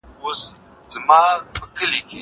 هغه څوک چي کتابونه وړي پوهه زياتوي!